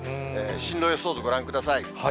進路予想図ご覧ください。